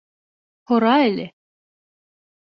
— Һора әле.